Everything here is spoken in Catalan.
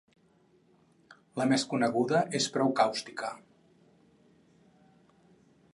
La més coneguda és prou càustica.